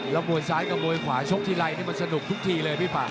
แล้วมวยซ้ายกับมวยขวาชกทีไรนี่มันสนุกทุกทีเลยพี่ป่า